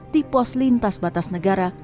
di pos lintas batas negara